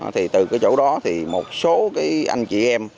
thì từ cái chỗ đó thì một số cái anh chị em